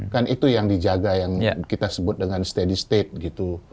kan itu yang dijaga yang kita sebut dengan stadi state gitu